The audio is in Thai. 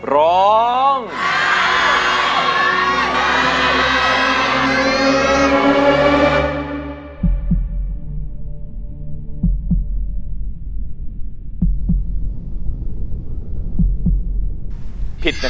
ร้องได้